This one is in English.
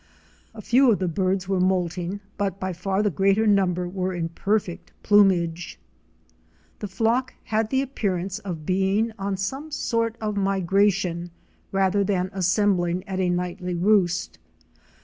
A few of the birds were moulting, but by far the greater number were in perfect plumage. The flock had the appearance of being on some sort of migration rather than assembling at a nightly roost.